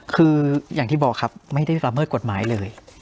คืออย่างที่บอกครับไม่ได้ละเมิดกฎหมายเลย